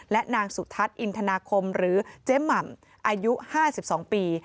และนางสุทัศน์อินทนาคมหรือเจ๊หม่ำอายุ๕๒ปี